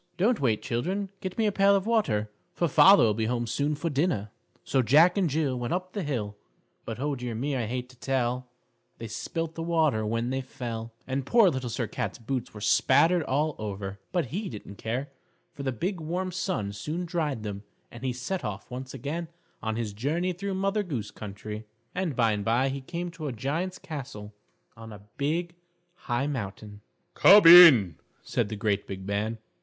"Don't wait, children. Get me a pail of water, for father will be home soon for dinner." So Jack and Jill Went up the hill But, oh, dear me, I hate to tell They spilt the water when they fell. And poor Little Sir Cat's boots were spattered all over. But he didn't care, for the big warm sun soon dried them, and he set off once again on his journey through Mother Goose Country, and by and by he came to a giant's castle on a big high mountain. [Illustration: LITTLE SIR CAT MEETS JACK AND JILL] "Come in," said the great big man.